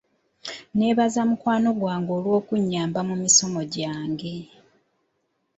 Neebaza mukwano gwange olw'okunnyamba mu misomo gyange!